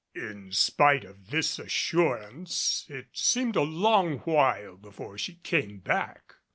In spite of this assurance, it seemed a long while before she came back.